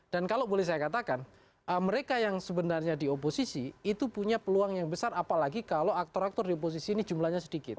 dan kalau boleh saya katakan mereka yang sebenarnya di oposisi itu punya peluang yang besar apalagi kalau aktor aktor di oposisi ini jumlahnya sedikit